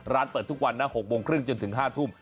เปิดทุกวันนะ๖โมงครึ่งจนถึง๕ทุ่ม